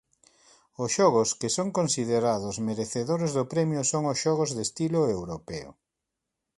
Os xogos que son considerados merecedores do premio son os xogos de estilo europeo.